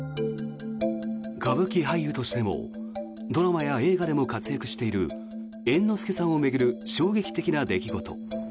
歌舞伎俳優としてもドラマや映画でも活躍している猿之助さんを巡る衝撃的な出来事。